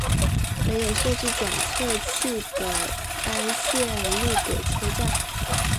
没有设置转辙器的单线路轨车站。